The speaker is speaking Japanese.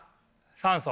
酸素。